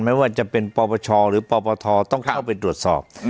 ไม่ว่าจะเป็นปปชหรือปปทต้องเข้าไปตรวจสอบ